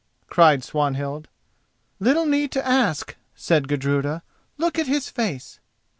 cried Swanhild. "Little need to ask," said Gudruda, "look at his face."